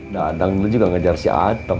dadang lu juga ngejar si atem